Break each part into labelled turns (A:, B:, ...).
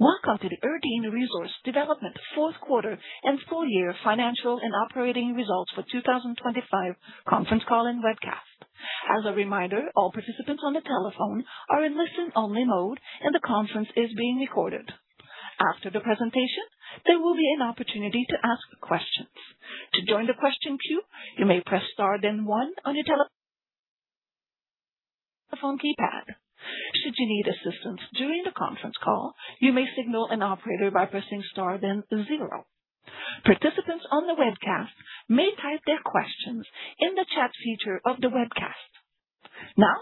A: Welcome to the Erdene Resource Development fourth quarter and full year financial and operating results for 2025 conference call and webcast. As a reminder, all participants on the telephone are in listen-only mode, and the conference is being recorded. After the presentation, there will be an opportunity to ask questions. To join the question queue, you may press star then one on your telephone keypad. Should you need assistance during the conference call, you may signal an operator by pressing star then zero. Participants on the webcast may type their questions in the chat feature of the webcast. Now,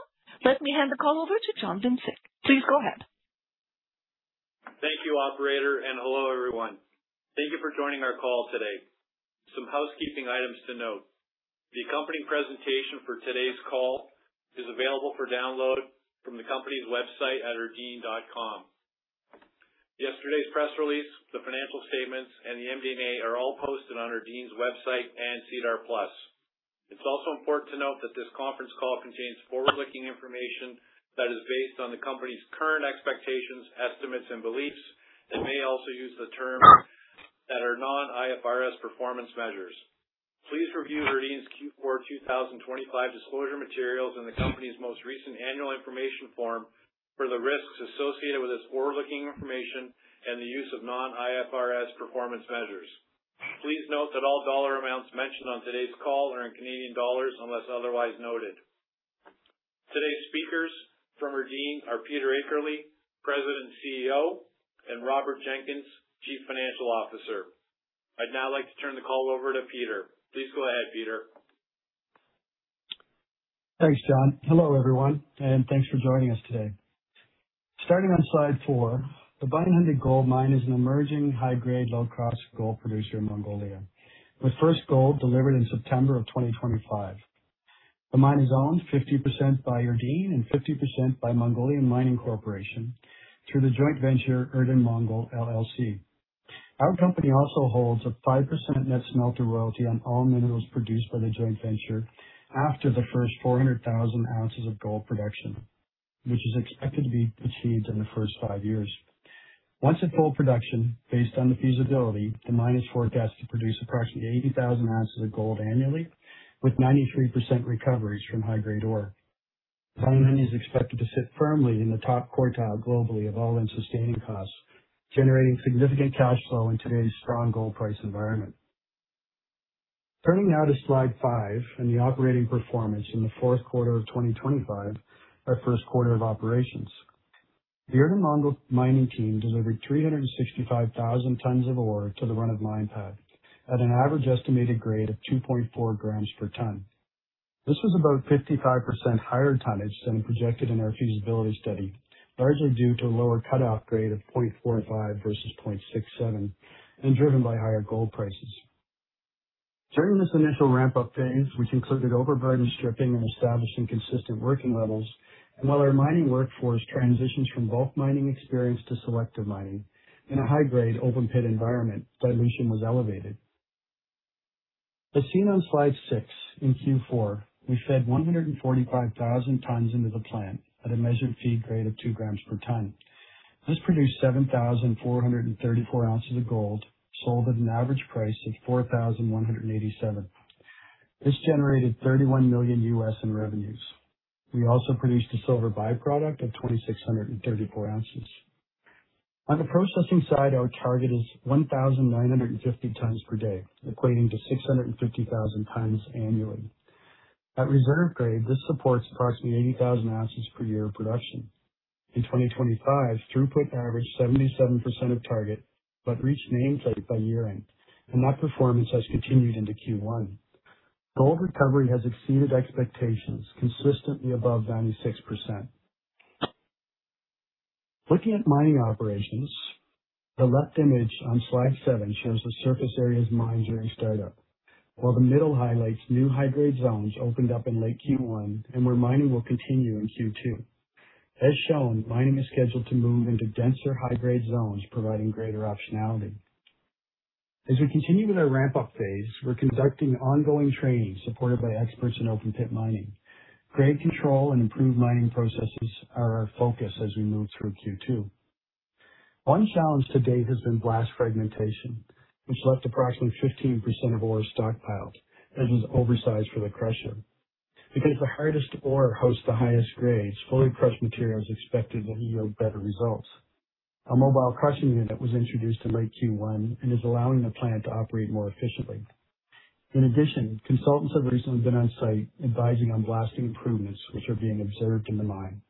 A: let me hand the call over to John Vincic. Please go ahead.
B: Thank you, operator. Hello, everyone. Thank you for joining our call today. Some housekeeping items to note. The accompanying presentation for today's call is available for download from the company's website at erdene.com. Yesterday's press release, the financial statements, and the MD&A are all posted on Erdene's website and SEDAR+. It is also important to note that this conference call contains forward-looking information that is based on the company's current expectations, estimates, and beliefs, and may also use terms that are non-IFRS performance measures. Please review Erdene's Q4 2025 disclosure materials and the company's most recent annual information form for the risks associated with this forward-looking information and the use of non-IFRS performance measures. Please note that all dollar amounts mentioned on today's call are in Canadian dollars unless otherwise noted. Today's speakers from Erdene are Peter Akerley, President and CEO, and Robert Jenkins, Chief Financial Officer. I'd now like to turn the call over to Peter. Please go ahead, Peter.
C: Thanks, John. Hello, everyone, and thanks for joining us today. Starting on slide four, the Bayan Khundii Gold Mine is an emerging high-grade, low-cost gold producer in Mongolia, with first gold delivered in September of 2025. The mine is owned 50% by Erdene and 50% by Mongolian Mining Corporation through the joint venture Erdene Mongol LLC. Our company also holds a 5% net smelter royalty on all minerals produced by the joint venture after the first 400,000 oz of gold production, which is expected to be achieved in the first five years. Once at full production, based on the feasibility, the mine is forecast to produce approximately 80,000 oz of gold annually, with 93% recoveries from high-grade ore. Bayan Khundii is expected to sit firmly in the top quartile globally of all-in sustaining costs, generating significant cash flow in today's strong gold price environment. Turning now to slide five and the operating performance in the fourth quarter of 2025, our first quarter of operations. The Erdene Mongol mining team delivered 365,000 tons of ore to the run-of-mine pad at an average estimated grade of 2.4 g per ton. This was about 55% higher tonnage than projected in our feasibility study, largely due to a lower cut-off grade of 0.45 versus 0.67, and driven by higher gold prices. During this initial ramp-up phase, which included overburden stripping and establishing consistent working levels and while our mining workforce transitions from bulk mining experience to selective mining in a high-grade open pit environment, dilution was elevated. As seen on slide six, in Q4, we fed 145,000 tons into the plant at a measured feed grade of 2 g per ton. This produced 7,434 oz of gold, sold at an average price of 4,187. This generated $31 million in revenues. We also produced a silver byproduct of 2,634 oz. On the processing side, our target is 1,950 tons per day, equating to 650,000 tons annually. At reserve grade, this supports approximately 80,000 oz per year of production. In 2025, throughput averaged 77% of target but reached nameplate by year-end, and that performance has continued into Q1. Gold recovery has exceeded expectations consistently above 96%. Looking at mining operations, the left image on slide seven shows the surface areas mined during startup. While the middle highlights new high-grade zones opened up in late Q1 and where mining will continue in Q2. As shown, mining is scheduled to move into denser high-grade zones, providing greater optionality. As we continue with our ramp-up phase, we're conducting ongoing training supported by experts in open pit mining. Grade control and improved mining processes are our focus as we move through Q2. One challenge to date has been blast fragmentation, which left approximately 15% of ore stockpiled, as is oversized for the crusher. Because the hardest ore hosts the highest grades, fully crushed material is expected to yield better results. Our mobile crushing unit was introduced in late Q1 and is allowing the plant to operate more efficiently. In addition, consultants have recently been on-site advising on blasting improvements, which are being observed in the mine.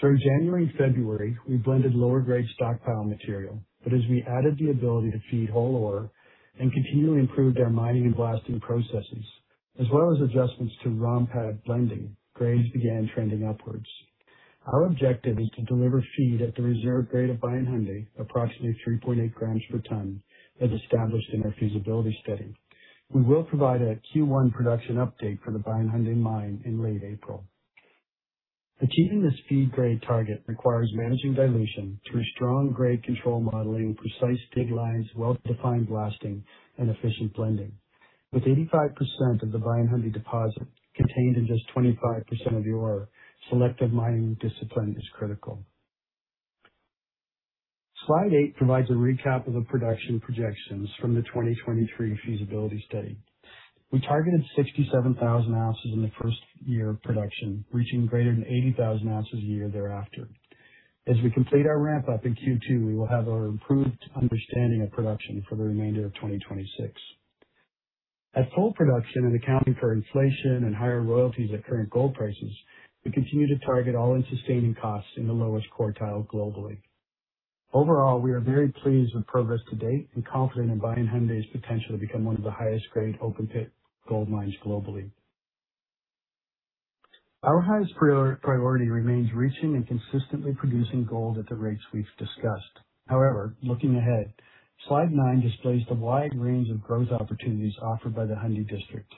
C: Through January and February, we blended lower grade stockpile material, but as we added the ability to feed whole ore and continually improved our mining and blasting processes, as well as adjustments to ROM pad blending, grades began trending upwards. Our objective is to deliver feed at the reserve grade of Bayan Khundii, approximately 3.8 g per ton, as established in our feasibility study. We will provide a Q1 production update for the Bayan Khundii mine in late April. Achieving this feed grade target requires managing dilution through strong grade control modeling, precise dig lines, well-defined blasting, and efficient blending. With 85% of the Bayan Khundii deposit contained in just 25% of the ore, selective mining discipline is critical. Slide eight provides a recap of the production projections from the 2023 feasibility study. We targeted 67,000 oz in the first year of production, reaching greater than 80,000 oz a year thereafter. As we complete our ramp up in Q2, we will have our improved understanding of production for the remainder of 2026. At full production and accounting for inflation and higher royalties at current gold prices, we continue to target all-in sustaining costs in the lowest quartile globally. Overall, we are very pleased with progress to date and confident in Bayan Khundii's potential to become one of the highest grade open pit gold mines globally. Our highest priority remains reaching and consistently producing gold at the rates we've discussed. Looking ahead, slide nine displays the wide range of growth opportunities offered by the Khundii District.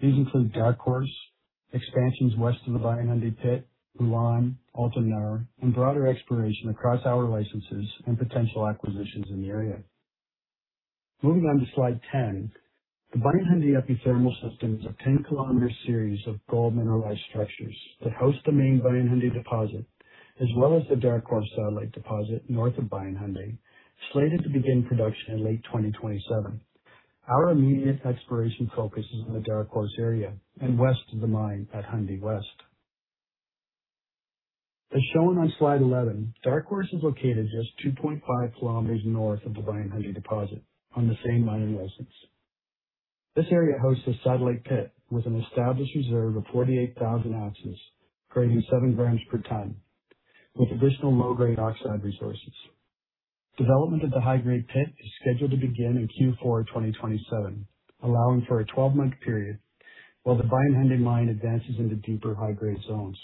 C: These include Dark Horse expansions west of the Bayan Khundii pit, Ulaan, Altan Nar, and broader exploration across our licenses and potential acquisitions in the area. Moving on to slide 10. The Bayan Khundii epithermal system is a 10 km series of gold mineralized structures that host the main Bayan Khundii deposit, as well as the Dark Horse satellite deposit north of Bayan Khundii, slated to begin production in late 2027. Our immediate exploration focuses on the Dark Horse area and west of the mine at Khundii West. As shown on slide 11, Dark Horse is located just 2.5 km north of the Bayan Khundii deposit on the same mining license. This area hosts a satellite pit with an established reserve of 48,000 oz grading 7 g per tonne, with additional low-grade oxide resources. Development of the high-grade pit is scheduled to begin in Q4 2027, allowing for a 12-month period while the Bayan Khundii mine advances into deeper high-grade zones.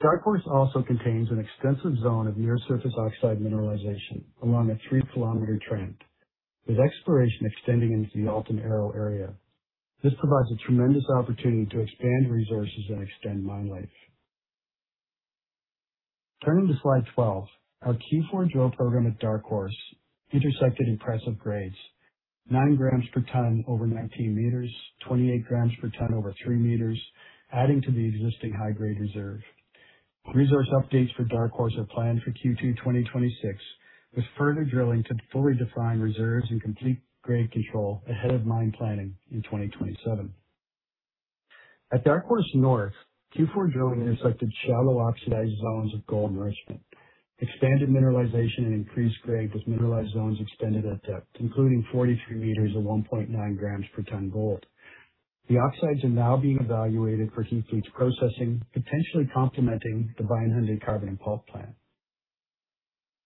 C: Dark Horse also contains an extensive zone of near surface oxide mineralization along a 3 km trend, with exploration extending into the Altan Nar area. This provides a tremendous opportunity to expand resources and extend mine life. Turning to slide 12. Our Q4 drill program at Dark Horse intersected impressive grades, 9 g per tonne over 19 m, 28 g per tonne over 3 m, adding to the existing high-grade reserve. Resource updates for Dark Horse are planned for Q2 2026, with further drilling to fully define reserves and complete grade control ahead of mine planning in 2027. At Dark Horse North, Q4 drilling intersected shallow oxidized zones of gold enrichment, expanded mineralization and increased grade with mineralized zones extended at depth, including 42 m of 1.9 g per tonne gold. The oxides are now being evaluated for heap leach processing, potentially complementing the Bayan Khundii carbon in pulp plant.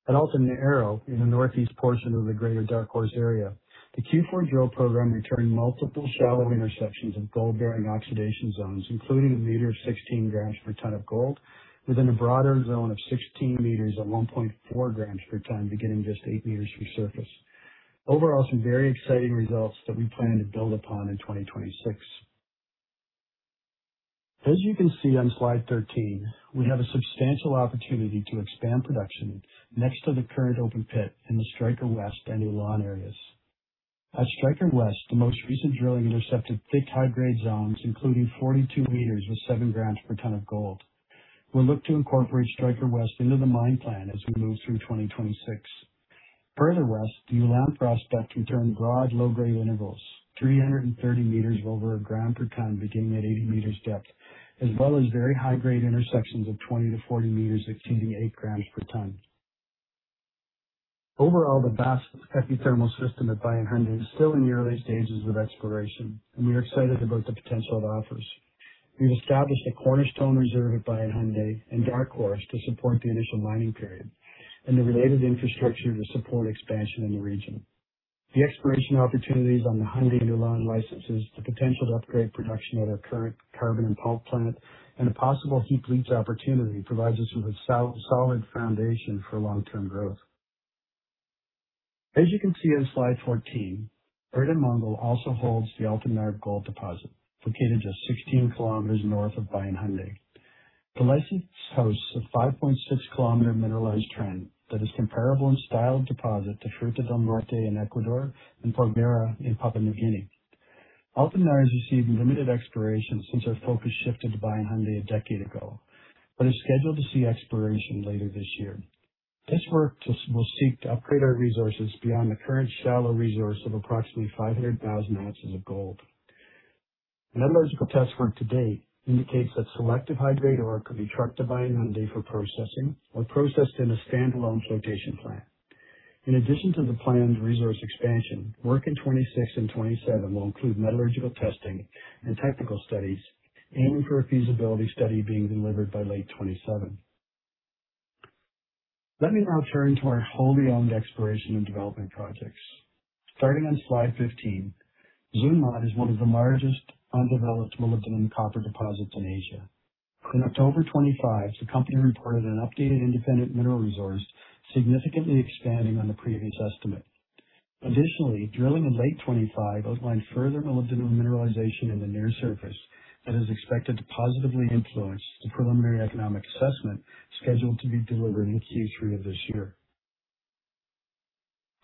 C: At Altan Nar in the northeast portion of the greater Dark Horse area, the Q4 drill program returned multiple shallow intersections of gold-bearing oxidation zones, including 1 m of 16 g per ton of gold within a broader zone of 16 m at 1.4 g per tonne, beginning just 8 m from surface. Overall, some very exciting results that we plan to build upon in 2026. As you can see on slide 13, we have a substantial opportunity to expand production next to the current open pit in the Striker West and Ulaan areas. At Striker West, the most recent drilling intercepted thick high-grade zones, including 42 m with 7 g per tonne of gold. We'll look to incorporate Striker West into the mine plan as we move through 2026. Further west, the Ulaan prospect returned broad low-grade intervals, 330 m over 1 g per ton beginning at 80 m depth, as well as very high-grade intersections of 20 m-40 m containing 8 g per ton. Overall, the vast epithermal system at Bayan Khundii is still in the early stages of exploration, and we are excited about the potential it offers. We've established a cornerstone reserve at Bayan Khundii and Dark Horse to support the initial mining period and the related infrastructure to support expansion in the region. The exploration opportunities on the Khundii and Ulaan licenses, the potential to upgrade production at our current carbon in pulp plant, and a possible heap leach opportunity provides us with a solid foundation for long-term growth. As you can see on slide 14, Erdene Mongol also holds the Altan Nar gold deposit located just 16 kilometers north of Bayan Khundii. The license hosts a 5.6 km mineralized trend that is comparable in style of deposit to Fruta del Norte in Ecuador and Porgera in Papua New Guinea. Altan Nar has received limited exploration since our focus shifted to Bayan Khundii a decade ago, but is scheduled to see exploration later this year. This work will seek to upgrade our resources beyond the current shallow resource of approximately 500,000 oz of gold. Metallurgical test work to date indicates that selective high-grade ore could be trucked to Bayan Khundii for processing or processed in a standalone flotation plant. In addition to the planned resource expansion, work in 2026 and 2027 will include metallurgical testing and technical studies aiming for a feasibility study being delivered by late 2027. Let me now turn to our wholly owned exploration and development projects. Starting on slide 15. Zuun Mod is one of the largest undeveloped molybdenum copper deposits in Asia. In October 2025, the company reported an updated independent mineral resource, significantly expanding on the previous estimate. Additionally, drilling in late 2025 outlined further molybdenum mineralization in the near surface that is expected to positively influence the preliminary economic assessment scheduled to be delivered in Q3 of this year.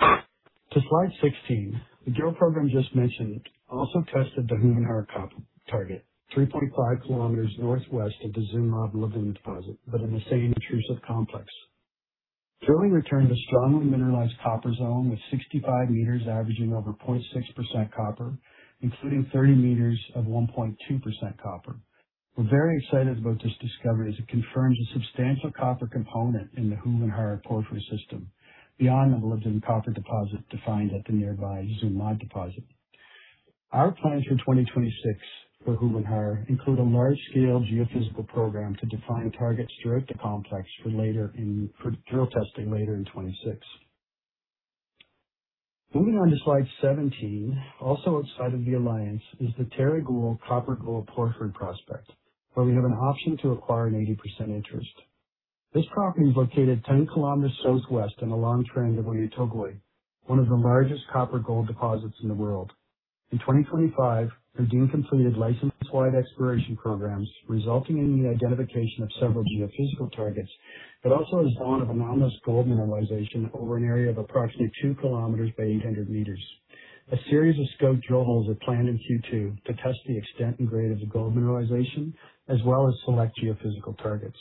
C: To slide 16. The drill program just mentioned also tested the Khuvyn Khar copper target, 3.5 km northwest of the Zuun Mod molybdenum-copper deposit, but in the same intrusive complex. Drilling returned a strongly mineralized copper zone with 65 m averaging over 0.6% copper, including 30 m of 1.2% copper. We're very excited about this discovery as it confirms a substantial copper component in the Khuvyn Khar porphyry system beyond the molybdenum-copper deposit defined at the nearby Zuun Mod deposit. Our plans for 2026 for Khuvyn Khar include a large-scale geophysical program to define targets throughout the complex for drill testing later in 2026. Moving on to slide 17. Also outside of the Alliance is the Tereg Uul copper-gold porphyry prospect, where we have an option to acquire an 80% interest. This property is located 10 km southwest in the long trend of Oyu Tolgoi, one of the largest copper-gold deposits in the world. In 2025, Erdene completed license-wide exploration programs resulting in the identification of several geophysical targets, but also a zone of anomalous gold mineralization over an area of approximately 2 km by 800 m. A series of scope drill holes are planned in Q2 to test the extent and grade of the gold mineralization, as well as select geophysical targets.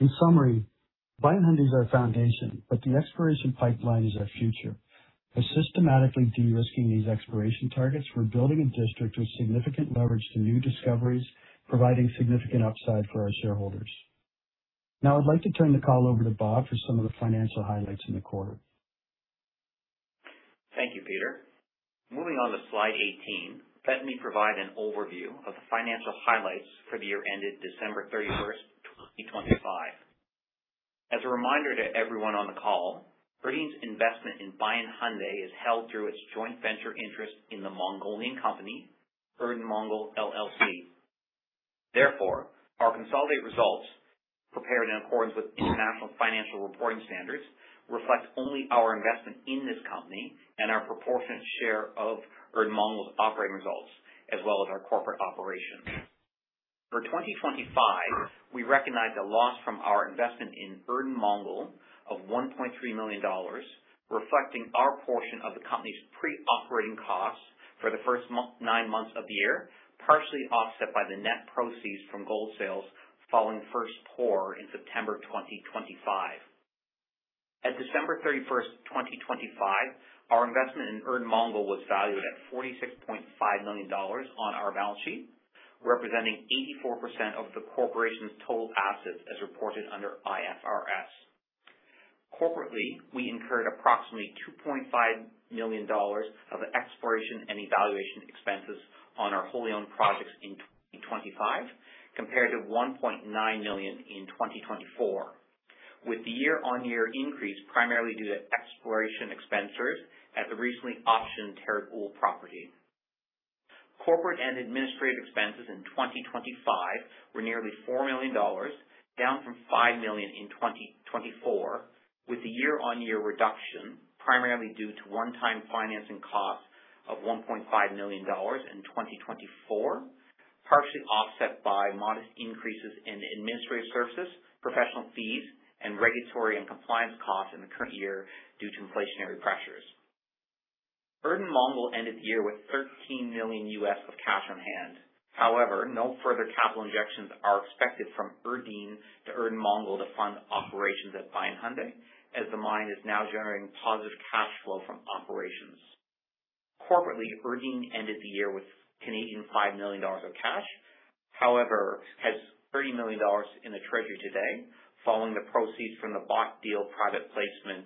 C: In summary, Bayan Khundii is our foundation, but the exploration pipeline is our future. By systematically de-risking these exploration targets, we're building a district with significant leverage to new discoveries, providing significant upside for our shareholders. I'd like to turn the call over to Bob for some of the financial highlights in the quarter.
D: Thank you, Peter. Moving on to slide 18. Let me provide an overview of the financial highlights for the year ended December 31st, 2025. As a reminder to everyone on the call, Erdene's investment in Bayan Khundii is held through its joint venture interest in the Mongolian company, Erdene Mongol LLC. Therefore, our consolidated results, prepared in accordance with International Financial Reporting Standards, reflects only our investment in this company and our proportionate share of Erdene Mongol's operating results, as well as our corporate operations. For 2025, we recognized a loss from our investment in Erdene Mongol of 1.3 million dollars, reflecting our portion of the company's pre-operating costs for the first nine months of the year, partially offset by the net proceeds from gold sales following first pour in September 2025. At December 31st, 2025, our investment in Erdene Mongol was valued at 46.5 million dollars on our balance sheet, representing 84% of the corporation's total assets as reported under IFRS. Corporately, we incurred approximately 2.5 million dollars of exploration and evaluation expenses on our wholly owned projects in 2025 compared to 1.9 million in 2024, with the year-on-year increase primarily due to exploration expenses at the recently optioned Tereg Uul property. Corporate and administrative expenses in 2025 were nearly 4 million dollars, down from 5 million in 2024, with the year-on-year reduction primarily due to one-time financing costs of 1.5 million dollars in 2024, partially offset by modest increases in administrative services, professional fees, and regulatory and compliance costs in the current year due to inflationary pressures. Erdene Mongol ended the year with $13 million U.S. of cash on hand. No further capital injections are expected from Erdene to Erdene Mongol to fund operations at Bayan Khundii, as the mine is now generating positive cash flow from operations. Corporately, Erdene ended the year with 5 million Canadian dollars of cash. Has 30 million dollars in the treasury today following the proceeds from the bought deal private placement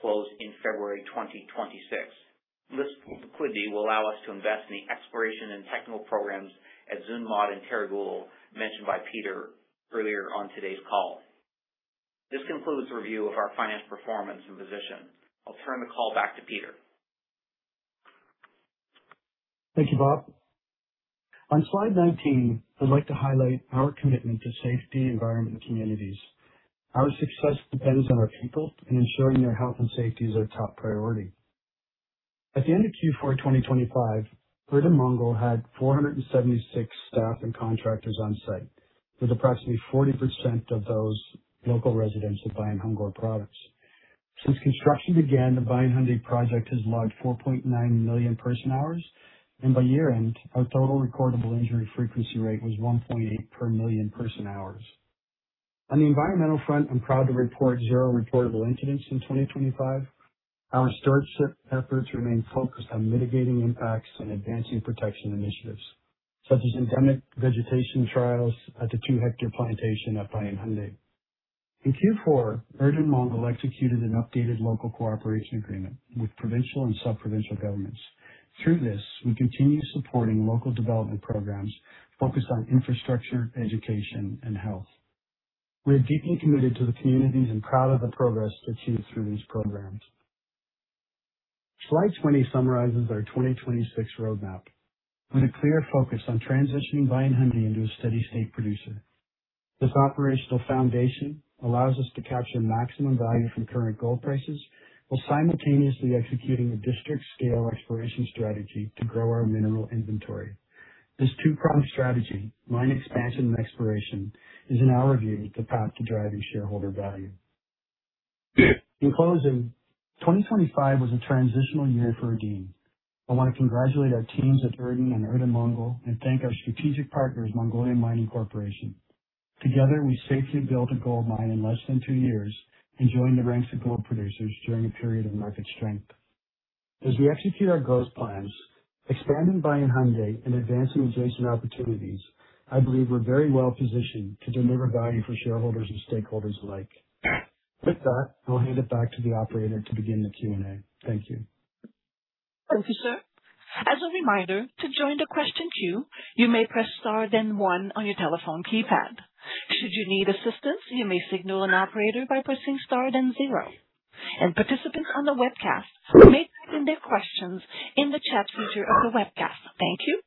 D: closed in February 2026. This liquidity will allow us to invest in the exploration and technical programs at Zuun Mod and Tereg Uul mentioned by Peter earlier on today's call. This concludes the review of our financial performance and position. I'll turn the call back to Peter.
C: Thanks Bob. On slide 19, I'd like to highlight our commitment to safety, environment, and communities. Our success depends on our people and ensuring their health and safety is our top priority. At the end of Q4 2025, Erdene Mongol had 476 staff and contractors on site, with approximately 40% of those local residents of Bayan Khundii. Since construction began, the Bayan Khundii project has logged 4.9 million person-hours, and by year-end, our total recordable injury frequency rate was 1.8 per million person-hours. On the environmental front, I'm proud to report zero reportable incidents in 2025. Our stewardship efforts remain focused on mitigating impacts and advancing protection initiatives such as endemic vegetation trials at the 2 ha plantation at Bayan Khundii. In Q4, Erdene Mongol executed an updated local cooperation agreement with provincial and sub-provincial governments. Through this, we continue supporting local development programs focused on infrastructure, education, and health. We are deeply committed to the communities and proud of the progress achieved through these programs. Slide 20 summarizes our 2026 roadmap with a clear focus on transitioning Bayan Khundii into a steady state producer. This operational foundation allows us to capture maximum value from current gold prices while simultaneously executing a district scale exploration strategy to grow our mineral inventory. This two-pronged strategy, mine expansion and exploration, is in our view, the path to driving shareholder value. In closing, 2025 was a transitional year for Erdene. I want to congratulate our teams at Erdene and Erdene Mongol and thank our strategic partners, Mongolian Mining Corporation. Together, we safely built a gold mine in less than two years and joined the ranks of gold producers during a period of market strength. As we execute our growth plans, expanding Bayan Khundii and advancing adjacent opportunities, I believe we're very well positioned to deliver value for shareholders and stakeholders alike. With that, I'll hand it back to the operator to begin the Q&A. Thank you.
A: Thank you, sir. As a reminder, to join the question queue, you may press star then one on your telephone keypad. Should you need assistance, you may signal an operator by pressing star then zero. Participants on the webcast may type in their questions in the chat feature of the webcast. Thank you.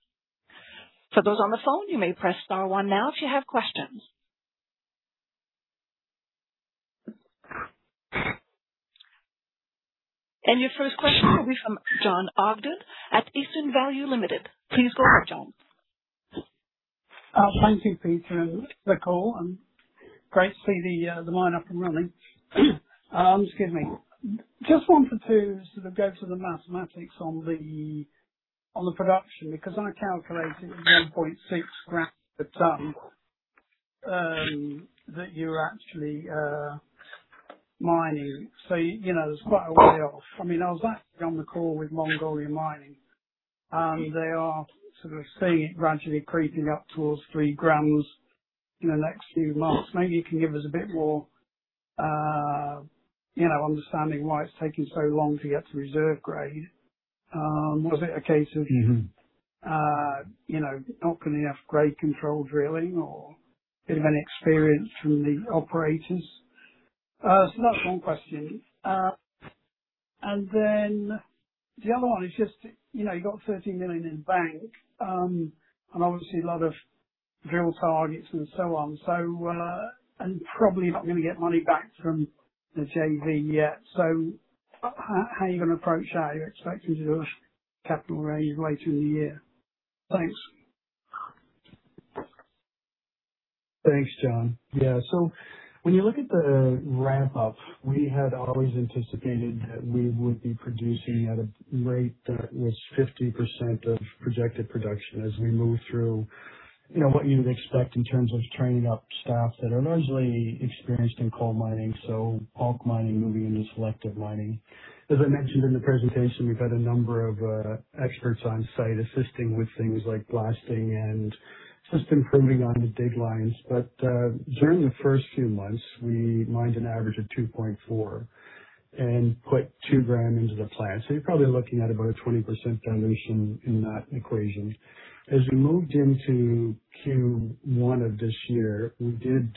A: For those on the phone, you may press star one now if you have questions. Your first question will be from Jon Ogden at Eastern Value Limited. Please go ahead, Jon.
E: Thank you, Peter, for the call, and great to see the mine up and running. Excuse me. Just wanted to sort of go through the mathematics on the production, because I calculated 1.6 gram per ton that you're actually mining. You know, it's quite a way off. I mean, I was actually on the call with Mongolian Mining, and they are sort of seeing it gradually creeping up towards 3 g in the next few months. Maybe you can give us a bit more, you know, understanding why it's taking so long to get to reserve grade. You know, not getting enough grade control drilling or bit of inexperience from the operators? That's one question. The other one is just, you know, you got 30 million in bank, obviously a lot of drill targets and so on. Probably not gonna get money back from the JV yet. How are you gonna approach that? Are you expecting to do a capital raise later in the year? Thanks.
C: Thanks, Jon. Yeah. When you look at the ramp up, we had always anticipated that we would be producing at a rate that was 50% of projected production as we move through, you know, what you would expect in terms of training up staff that are largely experienced in coal mining, so bulk mining, moving into selective mining. As I mentioned in the presentation, we've had a number of experts on site assisting with things like blasting and just improving on the dig lines. During the first few months, we mined an average of 2.4 g and put 2 g into the plant. You're probably looking at about a 20% dilution in that equation. As we moved into Q1 of this year, we did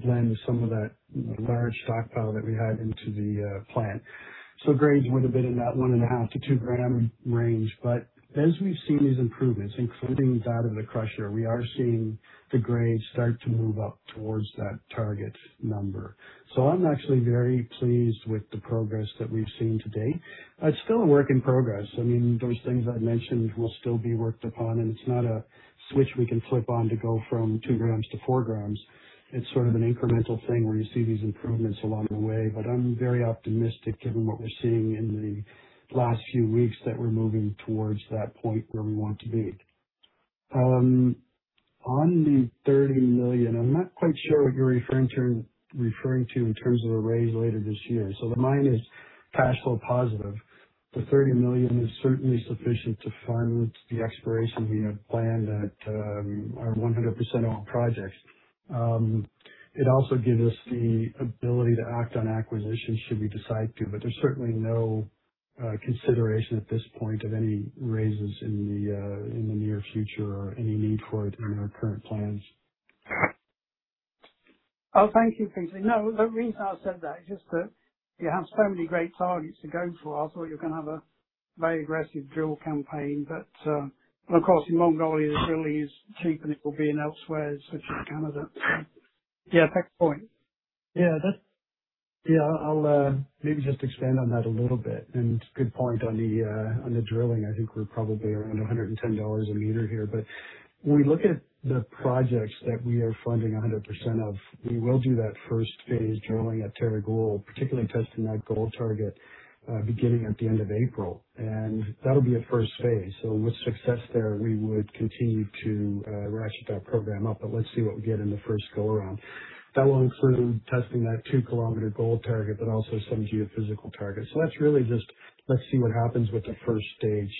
C: blend some of that large stockpile that we had into the plant. Grades would have been in that 1.5 g-2 g range. As we've seen these improvements, including that of the crusher, we are seeing the grades start to move up towards that target number. I'm actually very pleased with the progress that we've seen to date. It's still a work in progress. I mean, those things I mentioned will still be worked upon, and it's not a switch we can flip on to go from 2 g-4 g. It's sort of an incremental thing where you see these improvements along the way, but I'm very optimistic given what we're seeing in the last few weeks, that we're moving towards that point where we want to be. On the 30 million, I'm not quite sure what you're referring to in terms of a raise later this year. The mine is cash flow positive. The 30 million is certainly sufficient to fund the exploration we have planned at our 100% owned projects. It also gives us the ability to act on acquisitions should we decide to, but there's certainly no consideration at this point of any raises in the near future or any need for it in our current plans.
E: Oh, thank you, Peter. No, the reason I said that is just that you have so many great targets to go for. I thought you were gonna have a very aggressive drill campaign. Of course, in Mongolia, the drilling is cheap, and it will be in elsewhere such as Canada. Yeah, fair point.
C: Yeah, that's. I'll maybe just expand on that a little bit. Good point on the drilling. I think we're probably around 110 dollars a meter here. When we look at the projects that we are funding 100% of, we will do that first phase drilling at Tereg Uul, particularly testing that gold target, beginning at the end of April. That'll be a first phase. With success there, we would continue to ratchet that program up. Let's see what we get in the first go around. That will include testing that 2 km gold target but also some geophysical targets. That's really just, let's see what happens with the first stage.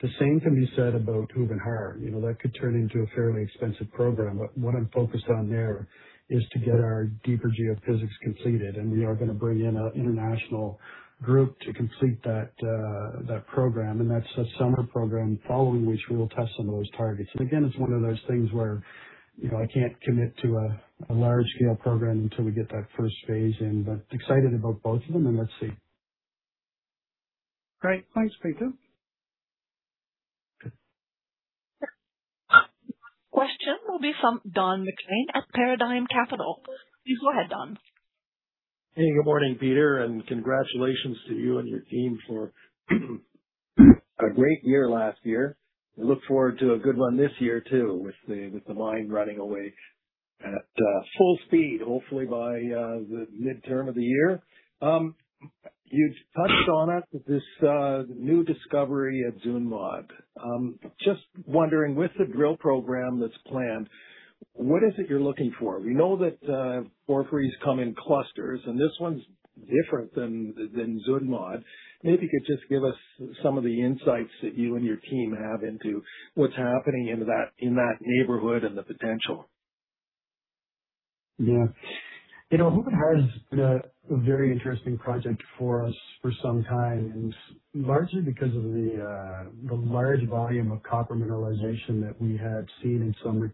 C: The same can be said about Khuvyn Khar. You know, that could turn into a fairly expensive program. What I'm focused on there is to get our deeper geophysics completed, and we are going to bring in an international group to complete that program, and that's a summer program, following which we will test some of those targets. Again, it's one of those things where, you know, I can't commit to a large-scale program until we get that first phase in, but excited about both of them, and let's see.
E: Great. Thanks, Peter.
C: Good.
A: From Don MacLean at Paradigm Capital. Please go ahead, Don.
F: Hey, good morning, Peter. Congratulations to you and your team for a great year last year. We look forward to a good one this year, too, with the mine running away at full speed, hopefully by the midterm of the year. You touched on it, this new discovery at Zuun Mod. Just wondering, with the drill program that's planned, what is it you're looking for? We know that porphyries come in clusters. This one's different than Zuun Mod. Maybe you could just give us some of the insights that you and your team have into what's happening in that neighborhood and the potential.
C: Yeah. You know, Khuvyn Khar has been a very interesting project for us for some time, and largely because of the large volume of copper mineralization that we had seen in some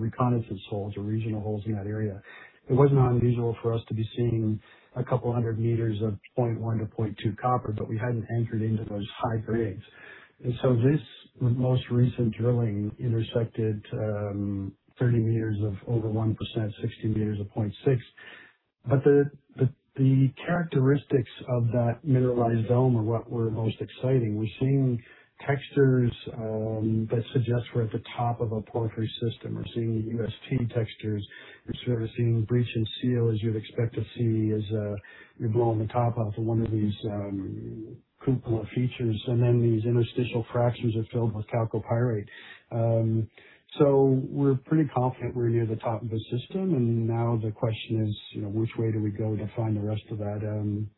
C: reconnaissance holes or regional holes in that area. It wasn't unusual for us to be seeing a couple hundred meters of 0.1 copper-0.2 copper, but we hadn't entered into those high grades. This most recent drilling intersected 30 m of over 1%, 60 m of 0.6. The characteristics of that mineralized dome are what were most exciting. We're seeing textures that suggest we're at the top of a porphyry system. We're seeing UST textures. We're sort of seeing breach and seal as you'd expect to see as you're blowing the top off of one of these cupola features. These interstitial fractures are filled with chalcopyrite. We're pretty confident we're near the top of the system. Now the question is, you know, which way do we go to find the rest of that?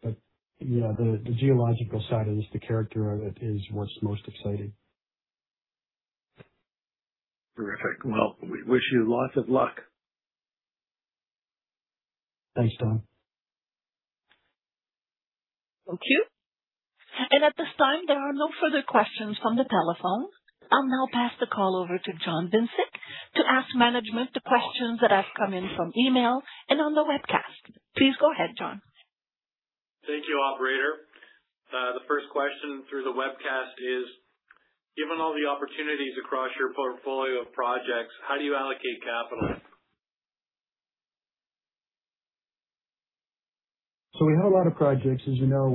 C: You know, the geological side of this, the character of it is what's most exciting.
F: Terrific. Well, we wish you lots of luck.
C: Thanks, Don.
A: Thank you. At this time, there are no further questions from the telephone. I'll now pass the call over to John Vincic to ask management the questions that have come in from email and on the webcast. Please go ahead, John.
B: Thank you, operator. The first question through the webcast is: Given all the opportunities across your portfolio of projects, how do you allocate capital?
C: We have a lot of projects. As you know,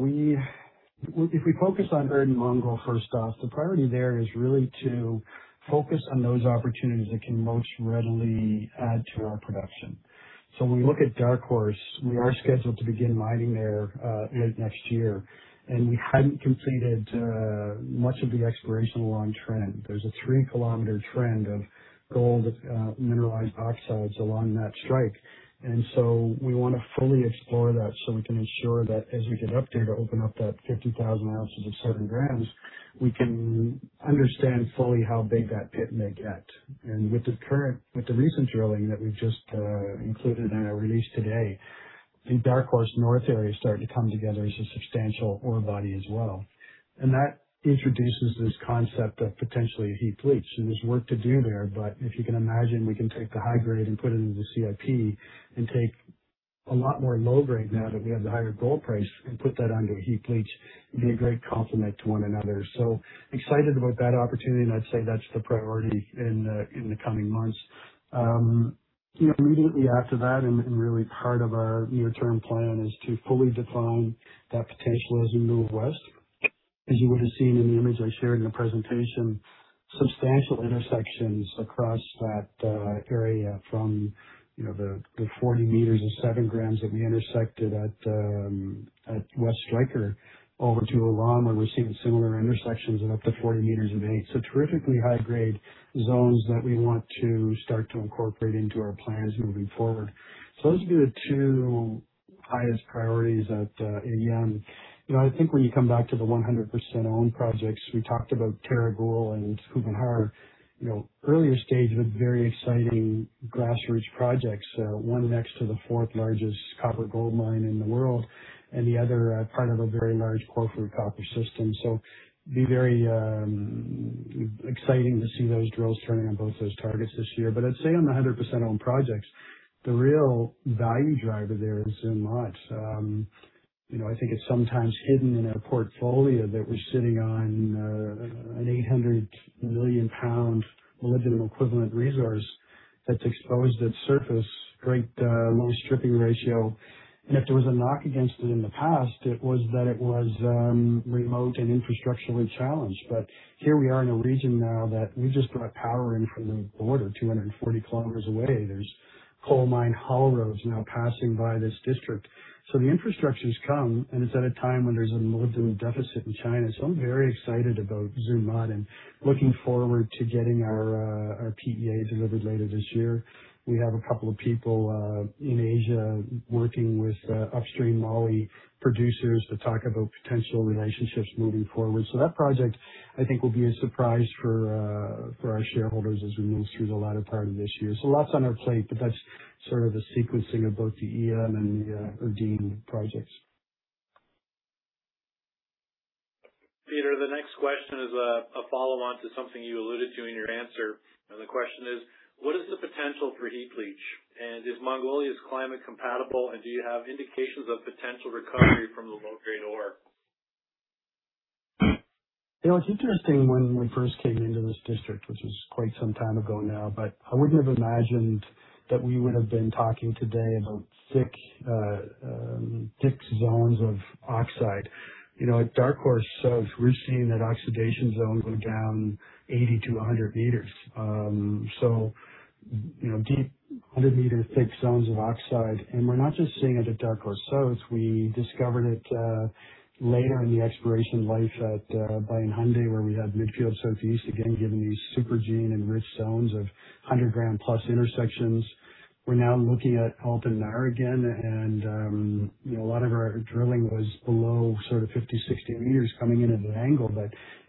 C: if we focus on Erdene Mongol first off, the priority there is really to focus on those opportunities that can most readily add to our production. When we look at Dark Horse, we are scheduled to begin mining there late next year, and we hadn't completed much of the exploration along trend. There's a 3 km trend of gold mineralized oxides along that strike, we wanna fully explore that so we can ensure that as we get up there to open up that 50,000 oz of 7 g, we can understand fully how big that pit may get. With the recent drilling that we've just included in our release today, the Dark Horse North area is starting to come together as a substantial ore body as well. That introduces this concept of potentially a heap leach. There's work to do there, but if you can imagine, we can take the high grade and put it into CIP and take a lot more low grade now that we have the higher gold price and put that onto a heap leach and be a great complement to one another. Excited about that opportunity, and I'd say that's the priority in the coming months. You know, immediately after that and really part of our near-term plan is to fully define that potential as we move west. As you would have seen in the image I shared in the presentation, substantial intersections across that area from, you know, the 40 m of 7 g that we intersected at Striker West over to Ulaan, where we're seeing similar intersections of up to 40 m of 8 m. Terrifically high-grade zones that we want to start to incorporate into our plans moving forward. Those are the two highest priorities at Erdene Mongol. You know, I think when you come back to the 100% owned projects, we talked about Tereg Uul and Khuvyn Khar, you know, earlier stage but very exciting grassroots projects. One next to the fourth largest copper gold mine in the world and the other part of a very large porphyry copper system. Be very exciting to see those drills turning on both those targets this year. I'd say on the 100% owned projects, the real value driver there is Zuun Mod. You know, I think it's sometimes hidden in our portfolio that we're sitting on an 800 million pound molybdenum equivalent resource that's exposed at surface, great, low stripping ratio. If there was a knock against it in the past, it was that it was remote and infrastructurally challenged. Here we are in a region now that we just brought power in from the border 240 km away. There's coal mine haul roads now passing by this district. The infrastructure's come, and it's at a time when there's a molybdenum deficit in China. I'm very excited about Zuun Mod and looking forward to getting our PEA delivered later this year. We have a couple of people in Asia working with upstream moly producers to talk about potential relationships moving forward. That project, I think, will be a surprise for our shareholders as we move through the latter part of this year. Lots on our plate, but that's sort of the sequencing of both the EM and the Erdene projects.
B: Peter, the next question is, a follow-on to something you alluded to in your answer, and the question is: What is the potential for heap leach? Is Mongolia's climate compatible, and do you have indications of potential recovery from the low-grade ore?
C: You know, it's interesting when we first came into this district, which was quite some time ago now, but I wouldn't have imagined that we would have been talking today about thick zones of oxide. You know, at Dark Horse South, we're seeing that oxidation zone go down 80 m-100 m. You know, deep 100 m thick zones of oxide. We're not just seeing it at Dark Horse South. We discovered it later in the exploration life at Bayan Khundii, where we have Midfield Southeast, again, giving these supergene enriched zones of 100 g m plus intersections. We're now looking at Altan Nar again and, you know, a lot of our drilling was below sort of 50 m, 60 m coming in at an angle.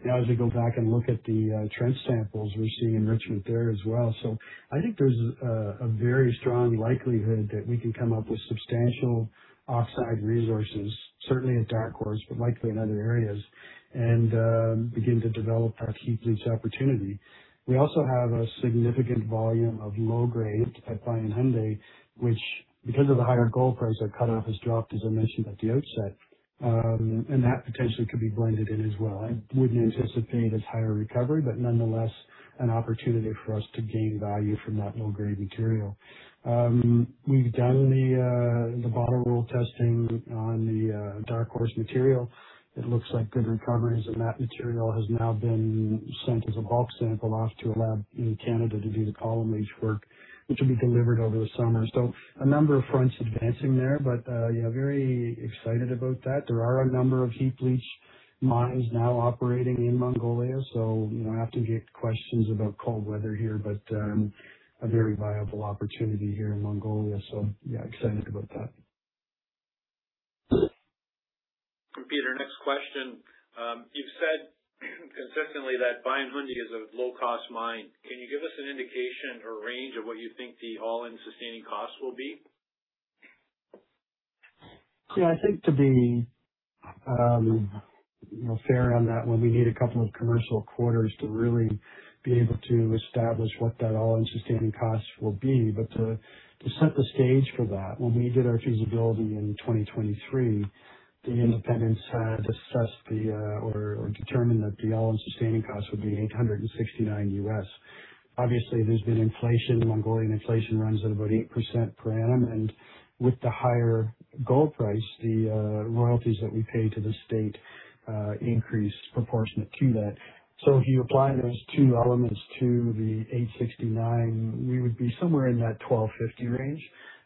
C: Now as we go back and look at the trench samples, we're seeing enrichment there as well. I think there's a very strong likelihood that we can come up with substantial oxide resources, certainly at Dark Horse, but likely in other areas and begin to develop our heap leach opportunity. We also have a significant volume of low grade at Bayan Khundii, which because of the higher gold price, our cutoff has dropped, as I mentioned at the outset. That potentially could be blended in as well. I wouldn't anticipate as higher recovery, but nonetheless an opportunity for us to gain value from that low-grade material. We've done the bottle roll testing on the Dark Horse material. It looks like good recoveries. That material has now been sent as a bulk sample off to a lab in Canada to do the column leach work, which will be delivered over the summer. A number of fronts advancing there. Yeah, very excited about that. There are a number of heap leach mines now operating in Mongolia. You know, I have to get questions about cold weather here. A very viable opportunity here in Mongolia. Yeah, excited about that.
B: Peter, next question. You've said consistently that Bayan Khundii is a low cost mine. Can you give us an indication or range of what you think the all-in sustaining cost will be?
C: Yeah, I think to be, you know, fair on that one, we need two commercial quarters to really be able to establish what that all-in sustaining cost will be. To set the stage for that, when we did our feasibility in 2023, the independents had assessed or determined that the all-in sustaining cost would be $869. Obviously, there's been inflation. Mongolian inflation runs at about 8% per annum. With the higher gold price, the royalties that we pay to the state increase proportionate to that. If you apply those two elements to the $869, we would be somewhere in that $1,250 range.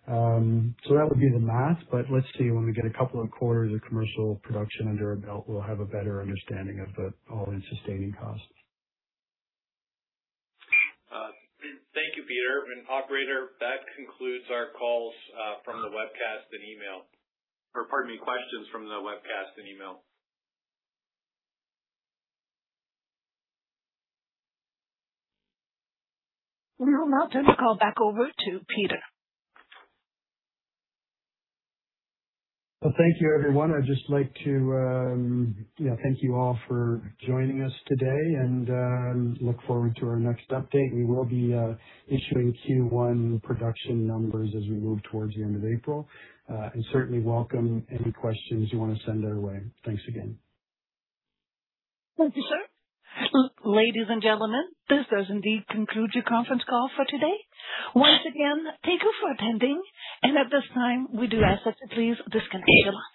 C: That would be the math. Let's see, when we get a couple of quarters of commercial production under our belt, we'll have a better understanding of the all-in sustaining cost.
B: Thank you, Peter. Operator, that concludes our calls, from the webcast and email. Pardon me, questions from the webcast and email.
A: We will now turn the call back over to Peter.
C: Well, thank you everyone. I'd just like to, yeah, thank you all for joining us today and look forward to our next update. We will be issuing Q1 production numbers as we move towards the end of April. Certainly welcome any questions you wanna send our way. Thanks again.
A: Thank you, sir. Ladies and gentlemen, this does indeed conclude your conference call for today. Once again, thank you for attending. At this time we do ask that you please disconnect your line.